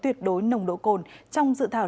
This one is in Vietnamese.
tuyệt đối nồng độ cồn trong dự thảo